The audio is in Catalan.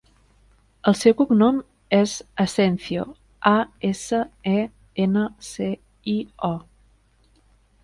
El seu cognom és Asencio: a, essa, e, ena, ce, i, o.